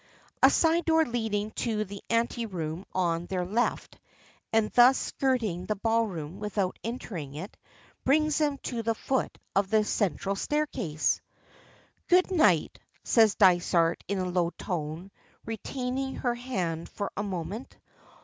A side door leading to the anteroom on their left, and thus skirting the ballroom without entering it, brings them to the foot of the central staircase. "Good night," says Dysart in a low tone, retaining her hand for a moment.